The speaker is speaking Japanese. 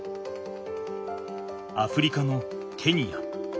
アフリカのケニア。